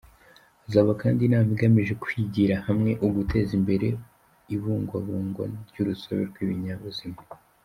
Hazaba kandi inama igamije kwigira hamwe uguteza imbere ibungwabungwa ry’urusobe rw’ibinyabuzima.